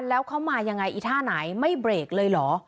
แล้วเขามายังไงอีท่าไหนไม่เบรกเลยเหรอ